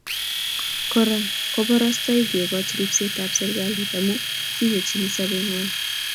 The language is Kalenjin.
Kora ko koborostoik kekoch ribsetap serkali amu kiywechin sobengwai